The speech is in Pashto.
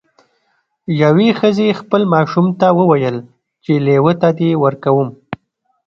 یوې ښځې خپل ماشوم ته وویل چې لیوه ته دې ورکوم.